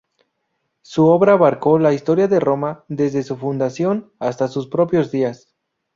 Su obra abarcó la historia de Roma desde su fundación hasta sus propios días.